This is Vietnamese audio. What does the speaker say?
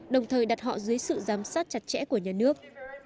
đồng thời đặt họ dưới sự giám sát chặt chẽ của nhà nước